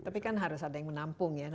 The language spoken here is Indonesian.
tapi kan harus ada yang menampung ya